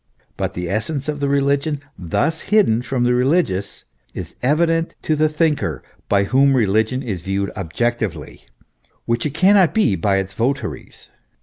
But the essence of reli gion, thus hidden from the religious, is evident to the thinker, by whom religion is viewed objectively, which it cannot be by its votaries.